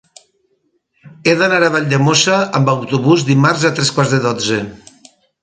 He d'anar a Valldemossa amb autobús dimarts a tres quarts de dotze.